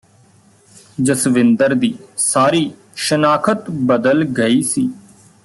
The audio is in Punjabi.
ਜਸਵਿੰਦਰ ਦੀ ਸਾਰੀ ਸ਼ਨਾਖ਼ਤ ਬਦਲ ਗਈ ਸੀ